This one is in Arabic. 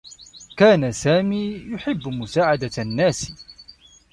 كان سامي يحبّ مساعدة النّاس.